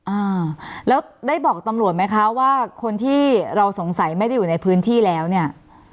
อ่าแล้วได้บอกตำรวจไหมคะว่าคนที่เราสงสัยไม่ได้อยู่ในพื้นที่แล้วเนี่ย